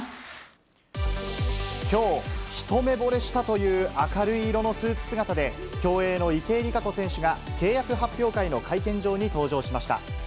きょう、一目ぼれしたという明るい色のスーツ姿で、競泳の池江璃花子選手が契約発表会の会見場に登場しました。